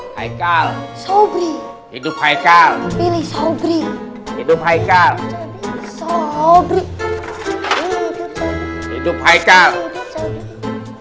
hai kal sobri hidup haikal pilih sobri hidup hai kal sobri hidup haikal hidup sobri hidup